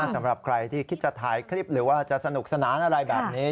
สำหรับใครที่คิดจะถ่ายคลิปหรือว่าจะสนุกสนานอะไรแบบนี้